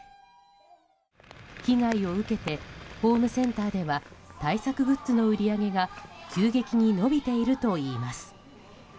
被害を受けてホームセンターでは対策グッズの売り上げが急激に伸びているといいます。